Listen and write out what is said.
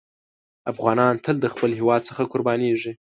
افغانان تل د خپل هېواد څخه قربانېږي.